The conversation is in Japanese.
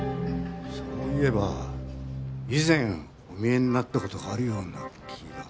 そういえば以前お見えになった事があるような気が。